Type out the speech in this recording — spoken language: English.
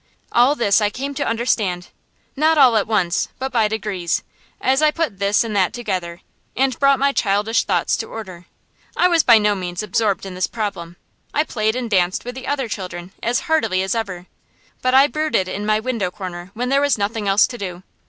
All this I came to understand, not all at once, but by degrees, as I put this and that together, and brought my childish thoughts to order. I was by no means absorbed in this problem. I played and danced with the other children as heartily as ever, but I brooded in my window corner when there was nothing else to do.